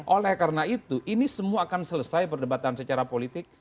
oleh karena itu ini semua akan selesai perdebatan secara politik